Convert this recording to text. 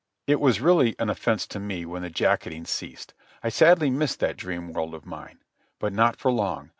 It was really an offence to me when the jacketing ceased. I sadly missed that dream world of mine. But not for long.